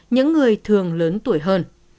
những người thường lớn tuổi hơn